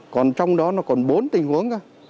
còn trong đó nó còn bốn tình huống cơ